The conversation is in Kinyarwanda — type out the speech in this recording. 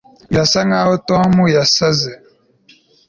birasa nkaho tom yasaze